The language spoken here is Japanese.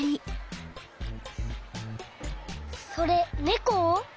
それねこ？